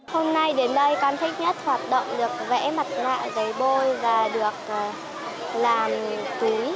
hôm nay đến đây con thích nhất hoạt động được vẽ mặt nạ giấy bôi và được làm túi